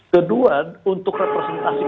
kedua untuk representasi